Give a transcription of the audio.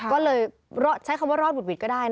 ก็เลยใช้คำว่ารอดหุดหวิดก็ได้